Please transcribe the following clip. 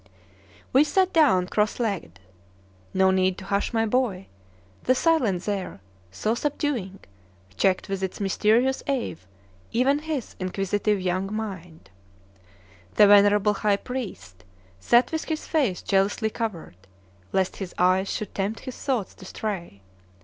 We sat down cross legged. No need to hush my boy, the silence there, so subduing, checked with its mysterious awe even his inquisitive young mind. The venerable high priest sat with his face jealously covered, lest his eyes should tempt his thoughts to stray.